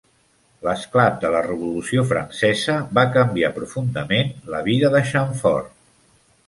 L'esclat de la Revolució Francesa va canviar profundament la vida de Chamfort.